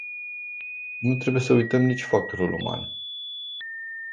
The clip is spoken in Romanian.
Nu trebuie să uităm nici factorul uman.